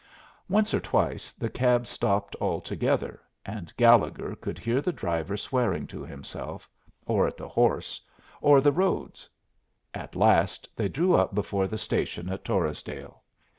Once or twice the cab stopped altogether, and Gallegher could hear the driver swearing to himself, or at the horse, or the roads. At last they drew up before the station at Torresdale.